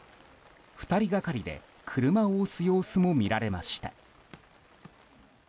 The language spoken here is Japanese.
２人がかりで車を押す様子も見られました。